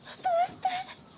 どうして！？